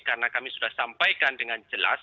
karena kami sudah sampaikan dengan jelas